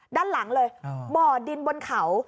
ด้านหลังเลยบ่อดินบนเขา